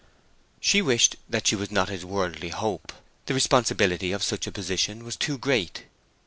She wished that she was not his worldly hope; the responsibility of such a position was too great.